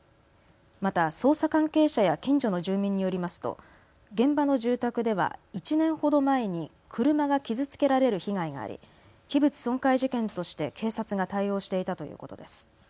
また、捜査関係者や近所の住民によりますと現場の住宅では１年ほど前に車が傷つけられる被害があり、器物損壊事件として警察が対応していたということです。